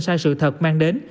sai sự thật mang đến